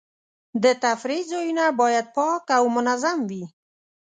د تفریح ځایونه باید پاک او منظم وي.